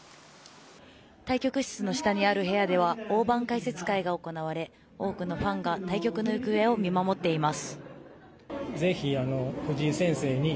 対局室の下にある部屋では大盤解説会が行われ多くのファンが対局の行方を見守っています。